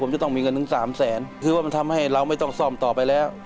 ผมจะต้องมีเงินถึงสามแสนคือว่ามันทำให้เราไม่ต้องซ่อมต่อไปแล้ว